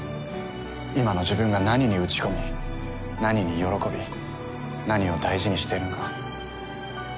今の自分が何に打ち込み何に喜び何を大事にしているのか。